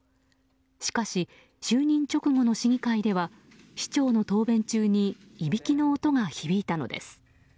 しかし、就任直後の市議会では市長の答弁中にいびきの音が響いたのです。